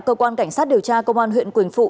cơ quan cảnh sát điều tra công an huyện quỳnh phụ